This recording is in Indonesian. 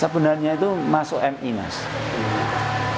sebenarnya itu masuk mi mas sebenarnya itu masuk mi mas sebenarnya itu masuk mi mas